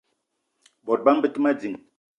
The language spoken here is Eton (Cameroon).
Bot bama be te ma ding.